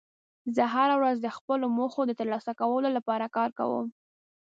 زه هره ورځ د خپلو موخو د ترلاسه کولو لپاره کار کوم